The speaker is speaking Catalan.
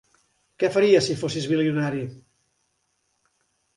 Què faries si fossis bilionari?